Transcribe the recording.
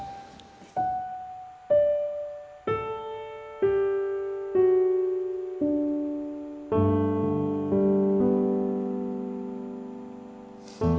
ทำงานชื่อนางหยาดฝนภูมิสุขอายุ๕๔ปี